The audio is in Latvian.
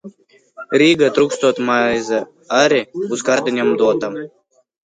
Rīgā trūkstot maize, arī uz kartiņām dotā.